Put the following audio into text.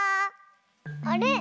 あれ？